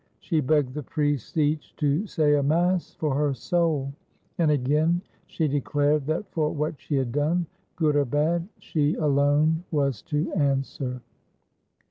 She begged the priests each to say a mass for her soul, and again she declared that for what she had done, good or bad, she alone was to answer.